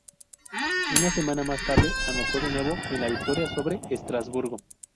Una semana más tarde, anotó de nuevo en la victoria sobre Estrasburgo.